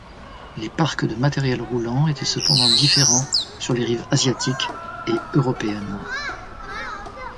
Les parcs de matériel roulant étaient cependant différents sur les rives asiatique et européenne.